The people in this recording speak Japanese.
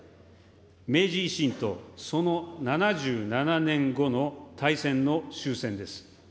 明治維新と、その７７年後の大戦の終戦です。